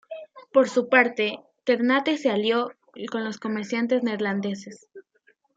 Por su parte, Ternate se alió con los comerciantes neerlandeses.